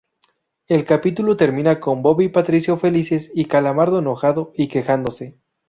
El capítulo termina con Bob y Patricio felices y Calamardo enojado y quejándose.